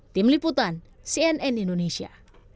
tim liputan cnn indonesia